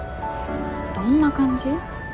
どんな感じ？